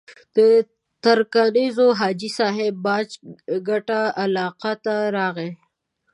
د ترنګزیو حاجي صاحب باج کټه علاقې ته راغی.